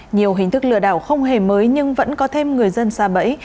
nhiều hình thức lừa đảo không hề mới nhưng vẫn có thêm người dân xa bẫy